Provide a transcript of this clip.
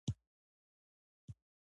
هغې خپلې خور ته زنګ وواهه